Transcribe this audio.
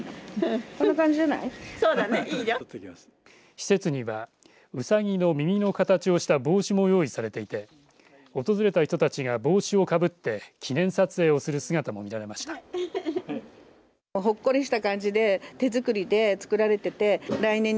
施設には、うさぎの耳の形をした帽子も用意されていて訪れた人たちが帽子をかぶって記念撮影をする姿も見られました。